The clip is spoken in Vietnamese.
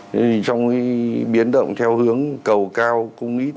thế thì trong cái biến động theo hướng cầu cao cũng ít